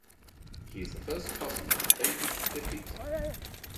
He is the first cousin of David Fifita.